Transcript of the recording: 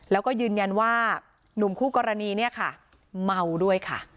แล้วก็ยืนยันว่าหนุ่มคู่กรณีเนี่ยค่ะเมาด้วยค่ะ